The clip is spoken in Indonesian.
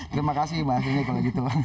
terima kasih mbak